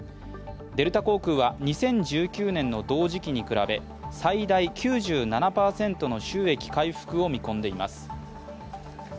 デルタ航空は２０１９年の同時期に比べ最大９７％の収益回復を見込んでいます。